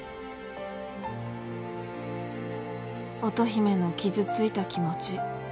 乙姫の傷ついた気持ち。